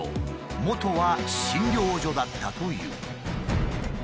もとは診療所だったという。